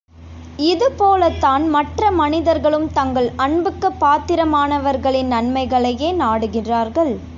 இது போல்தான் மற்ற மனிதர்களும் தங்கள் அன்புக்குப் பாத்திரமானவர்களின் நன்மைகளையே நாடுகிறார்கள்.